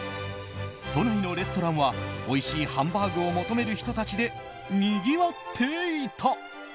都内のレストランはおいしいハンバーグを求める人たちでにぎわっていた。